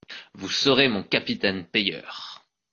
Vous serez mon capitaine payeur…